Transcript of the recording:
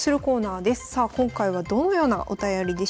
さあ今回はどのようなお便りでしょうか。